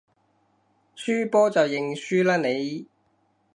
輸波就認輸啦你